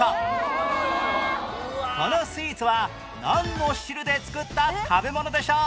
このスイーツはなんの汁で作った食べ物でしょう？